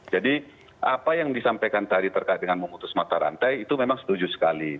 jadi apa yang disampaikan tadi terkait dengan memutus mata rantai itu memang setuju sekali